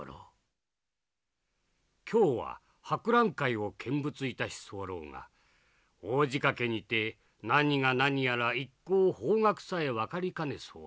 今日は博覧会を見物致し候が大仕掛けにて何が何やら一向方角さえ分かりかね候。